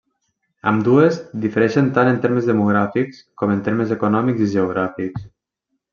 Ambdues difereixen tant en termes demogràfics, com en termes econòmics i geogràfics.